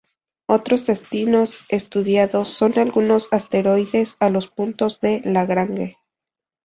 Otros destinos estudiados son algunos asteroides o los puntos de Lagrange.